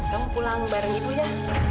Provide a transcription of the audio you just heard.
kamu pulang bareng ibu ya